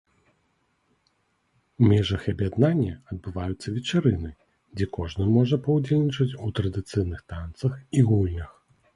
У межах аб'яднання адбываюцца вечарыны, дзе кожны можа паўдзельнічаць у традыцыйных танцах і гульнях.